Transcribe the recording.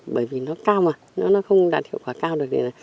bởi vì nó cao mà nó không đạt hiệu quả cao được